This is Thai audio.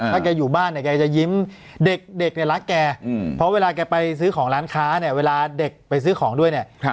ถ้าแกอยู่บ้านเนี่ยแกจะยิ้มเด็กเนี่ยรักแกเพราะเวลาแกไปซื้อของร้านค้าเนี่ยเวลาเด็กไปซื้อของด้วยเนี่ย